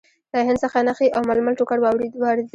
له هند څخه نخي او ململ ټوکر واردېدل.